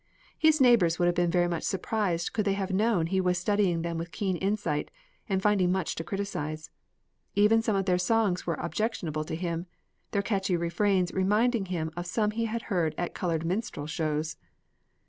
His neighbors would have been very much surprised could they have known he was studying them with keen insight, and finding much to criticise. Even some of their songs were objectionable to him, their catchy refrains reminding him of some he had heard at colored minstrel shows.